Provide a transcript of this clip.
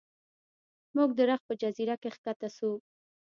موږ د رخ په جزیره کې ښکته شو.